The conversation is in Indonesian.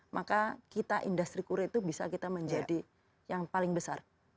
maka kita industri kurir itu bisa kita menjadi yang paling besar